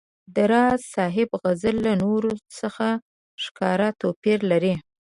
د راز صاحب غزل له نورو څخه ښکاره توپیر لري.